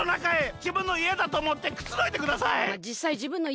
じぶんのいえだとおもってくつろいでください！